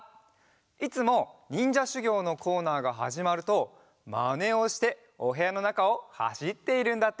いつもにんじゃしゅぎょうのコーナーがはじまるとマネをしておへやのなかをはしっているんだって。